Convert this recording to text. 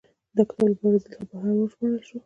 دا کتاب له برازیل بهر وژباړل شو.